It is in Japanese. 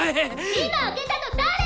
・今開けたの誰！？